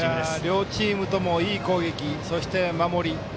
両チームともいい攻撃そして、守り